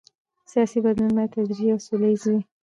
سیاسي بدلون باید تدریجي او سوله ییز وي